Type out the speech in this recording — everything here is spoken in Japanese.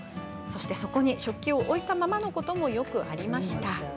そこに食器を置いたままのこともよくありました。